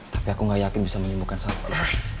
tapi aku gak yakin bisa menyembuhkan sapi